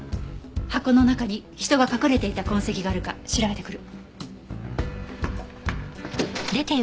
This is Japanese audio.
箱の中に人が隠れていた痕跡があるか調べてくる。